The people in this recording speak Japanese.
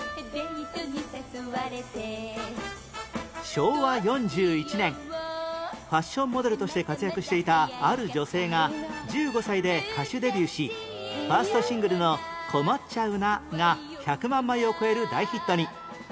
昭和４１年ファッションモデルとして活躍していたある女性が１５歳で歌手デビューしファーストシングルの『こまっちゃうナ』が１００万枚を超える大ヒットに